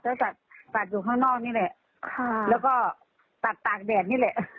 ก็ตัดตัดอยู่ข้างนอกนี่แหละค่ะแล้วก็ตัดตากแดดนี่แหละ